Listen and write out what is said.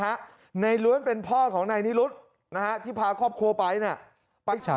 นายล้วนเป็นพ่อของนายนิรุฑที่พาครอบครัวไป